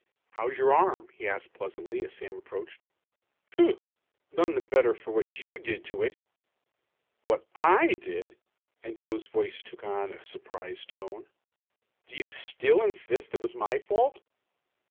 "How's your arm?" he asked pleasantly, as Sam approached. "Hu! None the better for what you did to it." "What I did?" and Joe's voice took on a surprised tone. "Do you still insist it was my fault?"